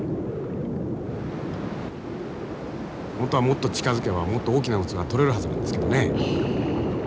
本当はもっと近づけばもっと大きな渦が撮れるはずなんですけどね。